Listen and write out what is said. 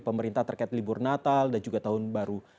pemerintah terkait libur natal dan juga tahun baru